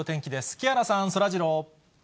木原さん、そらジロー。